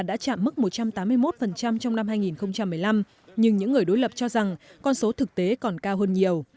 đã chạm mức một trăm tám mươi một trong năm hai nghìn một mươi năm nhưng những người đối lập cho rằng con số thực tế còn cao hơn nhiều